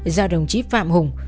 do đồng chí phạm hùng